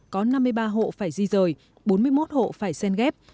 có năm mươi ba hộ phải di rời bốn mươi một hộ phải sen ghép